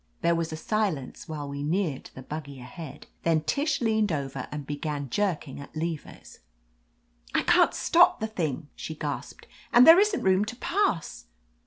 There was a silence while we neared the buggy ahead. Then Tish leaned over and began jerking at levers. "I can't stop the thing," she gasped, "and there isn't room to pass